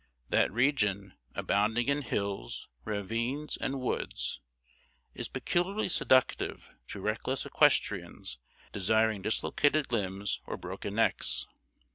That region, abounding in hills, ravines, and woods, is peculiarly seductive to reckless equestrians desiring dislocated limbs or broken necks.